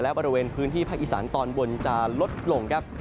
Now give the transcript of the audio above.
และบริเวณพื้นที่ภาคอีสานตอนบนจะลดลงครับ